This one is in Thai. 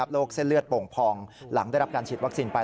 เส้นเลือดโป่งพองหลังได้รับการฉีดวัคซีนไป